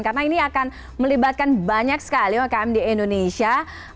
karena ini akan melibatkan banyak sekali umkm di indonesia